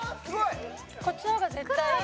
こっちの方が絶対いい。